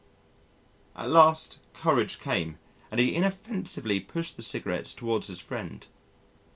At last courage came, and he inoffensively pushed the cigarettes towards his friend.